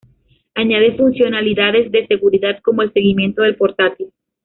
Añade funcionalidades de seguridad como el seguimiento del portátil.